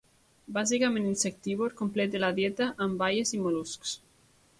Bàsicament insectívor, completa la dieta amb baies i mol·luscs.